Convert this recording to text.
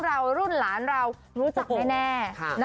เรารุ่นหลานเรารู้จักด้วยแน่นะ